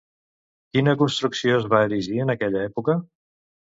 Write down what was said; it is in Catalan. Quina construcció es va erigir en aquella època?